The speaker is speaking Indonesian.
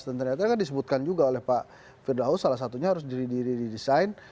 dan ternyata kan disebutkan juga oleh pak firdaus salah satunya harus diri diri redesign